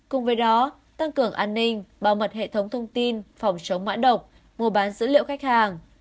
cùng với đó tăng cường an ninh bảo mật hệ thống thông tin phòng chống mã độc mua bán dữ liệu khách hàng